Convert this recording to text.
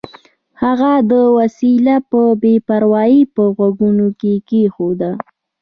هغه دا وسیله په بې پروایۍ په غوږو کې کېښوده